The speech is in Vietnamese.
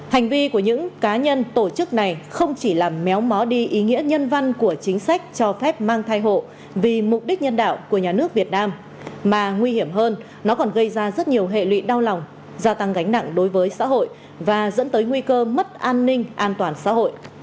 hành vi của những cá nhân tổ chức này không chỉ làm méo mó đi ý nghĩa nhân văn của chính sách cho phép mang thai hộ vì mục đích nhân đạo của nhà nước việt nam mà nguy hiểm hơn nó còn gây ra rất nhiều hệ lụy đau lòng gia tăng gánh nặng đối với xã hội và dẫn tới nguy cơ mất an ninh an toàn xã hội